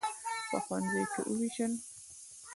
په ښوونځیو کې ووېشل.